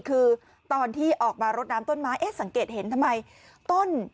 คือตอนที่ออกมารถน้ำต้นไม้สังเกตเห็นทั้งหมด